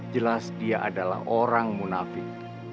jelas dia adalah orang munafik